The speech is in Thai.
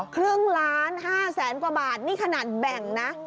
ครึ่งล้านห้าแสนกว่าบาทนี่ขนาดแบ่งนะ